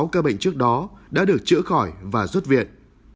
một mươi sáu ca bệnh trước đó đã được chữa khỏi và rút viện